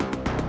ya udah yaudah